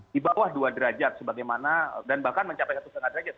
di bawah dua derajat sebagaimana dan bahkan mencapai satu lima derajat